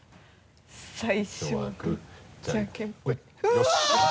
よし！